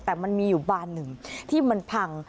แต่มันมีอยู่บานหนึ่งที่มันพัง